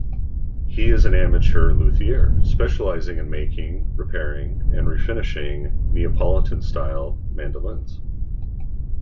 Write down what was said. He is an amateur luthier, specializing in making, repairing, and refinishing Neapolitan-style mandolins.